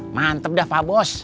mantep dah pak bos